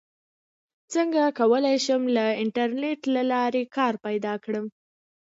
څنګه کولی شم د انټرنیټ له لارې کار پیدا کړم